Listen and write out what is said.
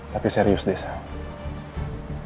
tapi serius deh sal